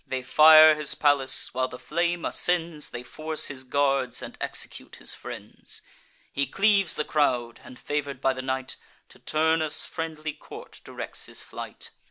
They fire his palace: while the flame ascends, They force his guards, and execute his friends. He cleaves the crowd, and, favour'd by the night, To Turnus' friendly court directs his flight.